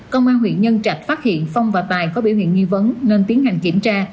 công an huyện nhân trạch phát hiện phong và tài có biểu hiện nghi vấn nên tiến hành kiểm tra